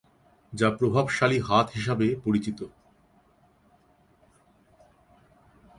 যা প্রভাবশালী হাত হিসাবে পরিচিত।